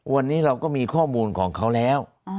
วันนี้เราก็มีข้อมูลของเขาแล้ว